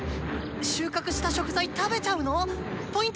収穫した食材食べちゃうの⁉Ｐは？